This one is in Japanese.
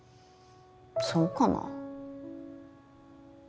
そうかな？